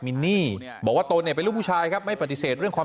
มินนี่บอกว่าตนเนี่ยเป็นลูกผู้ชายครับไม่ปฏิเสธเรื่องความ